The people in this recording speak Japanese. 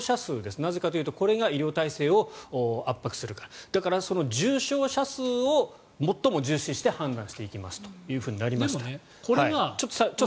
なぜかというとこれが医療体制を圧迫するからだから、その重症者数を最も重視して判断していきますというふうになりました。